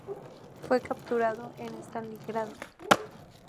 Fue capturado en Stalingrado.